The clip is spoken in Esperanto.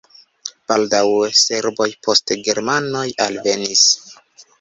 Baldaŭe serboj, poste germanoj alvenis.